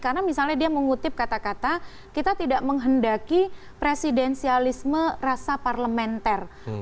karena misalnya dia mengutip kata kata kita tidak menghendaki presidensialisme rasa parlementer